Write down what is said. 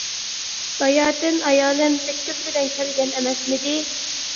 باياتىن ئايالىم سەككىز بىلەن كەلگەن ئەمەسمىدى.